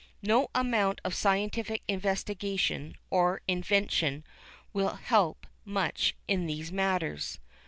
No amount of scientific investigation or invention will help much in these matters.